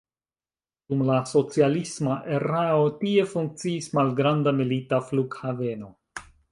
Dum la socialisma erao tie funkciis malgranda milita flughaveno.